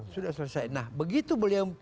sudah selesai nah begitu beliau